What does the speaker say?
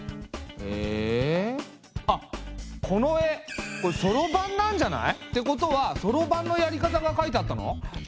えあっこの絵そろばんなんじゃない？ってことはそろばんのやり方が書いてあったの？